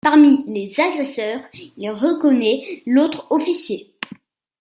Parmi les agresseurs, il reconnaît l'autre officier.